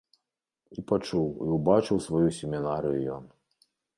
І пачуў, і ўбачыў сваю семінарыю ён.